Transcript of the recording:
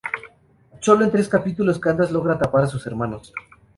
Solo en tres capítulos Candace logra atrapar a sus hermanos.